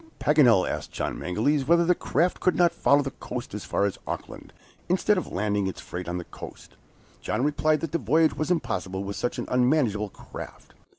Paganel asked John Mangles whether the raft could not follow the coast as far as Auckland, instead of landing its freight on the coast. John replied that the voyage was impossible with such an unmanageable craft.